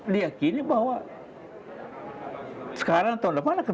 diakini bahwa sekarang tahun lalu kita bisa menjaga